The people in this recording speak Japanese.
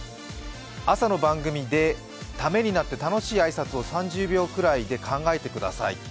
朝の番組で、ためになって楽しい挨拶を３０秒ぐらいで考えてください。